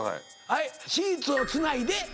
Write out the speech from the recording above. はいシーツをつないで。